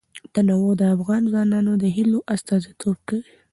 تنوع د افغان ځوانانو د هیلو استازیتوب کوي.